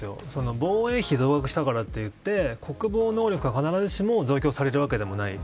防衛費を増額したからといって国防能力が必ずしも増強されるわけではない。